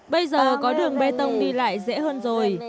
bây giờ có đường bê tông đi lại dễ hơn rồi